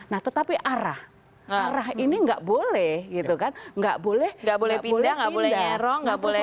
nah tetapi arah arah ini nggak boleh gitu kan nggak boleh nggak boleh mendorong nggak boleh